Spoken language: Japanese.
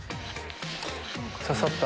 刺さった。